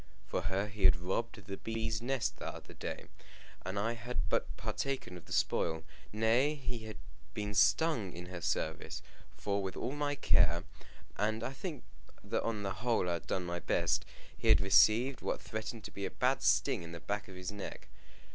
For her he had robbed the bees' nest that very day, and I had but partaken of the spoil. Nay, he had been stung in her service; for, with all my care and I think that on the whole I had done my best he had received what threatened to be a bad sting on the back of his neck.